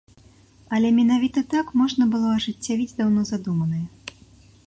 Але менавіта так можна было ажыццявіць даўно задуманае.